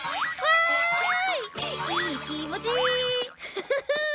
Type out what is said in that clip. フフフッ！